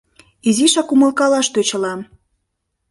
— Изишак умылкалаш тӧчылам...